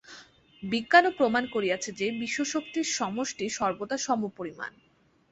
বিজ্ঞানও প্রমাণ করিয়াছে যে, বিশ্বশক্তির সমষ্টি সর্বদা সমপরিমাণ।